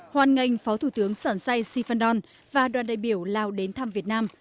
hoàn ngành phó thủ tướng sỏn say sifan don và đoàn đại biểu lào đến thăm việt nam